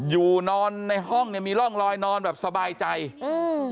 อยู่นอนในห้องเนี้ยมีร่องรอยนอนแบบสบายใจอืม